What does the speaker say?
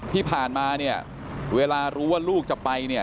ที่ผ่านมาเนี่ยเวลารู้ว่าลูกจะไปเนี่ย